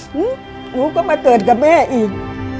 หนูก็มาเกิดกับแม่อีก